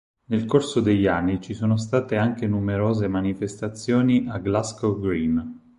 Nel corso degli anni ci sono state anche numerose manifestazioni a Glasgow Green.